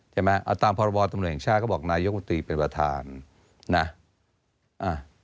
ใช่ไหมเอาตามตำรวจตำรวจแห่งชาติก็บอกนายกุฏีเป็นประธานนะอ่า